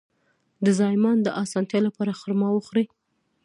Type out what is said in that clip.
د زایمان د اسانتیا لپاره خرما وخورئ